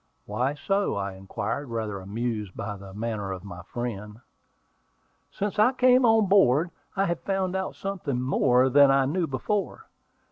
"Why so?" I inquired, rather amused by the manner of my friend. "Since I came on board, I have found out something more than I knew before.